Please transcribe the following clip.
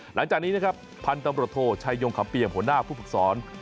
หลังจากนี้นะครับพันธุ์ตำรวจโทชัยยงคำเปี่ยมหัวหน้าผู้ฝึกสอน